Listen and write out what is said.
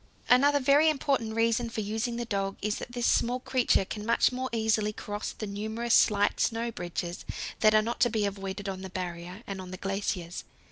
Another very important reason for using the dog is that this small creature can much more easily cross the numerous slight snow bridges that are not to be avoided on the Barrier and on the glaciers.